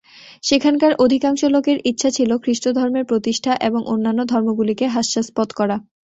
সেখানকার অধিকাংশ লোকের ইচ্ছা ছিল খ্রীষ্টধর্মের প্রতিষঠা এবং অন্যান্য ধর্মগুলিকে হাস্যাস্পদ করা।